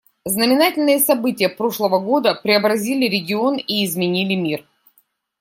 Знаменательные события прошлого года преобразили регион и изменили мир.